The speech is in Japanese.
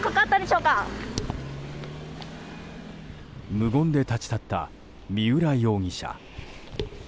無言で立ち去った三浦容疑者。